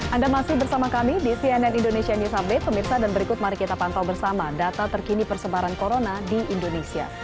anda masih bersama kami di cnn indonesia news update pemirsa dan berikut mari kita pantau bersama data terkini persebaran corona di indonesia